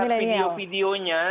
itu kalau dilihat video videonya